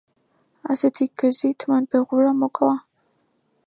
ასეთი გზით მან ბეღურა მოკლა.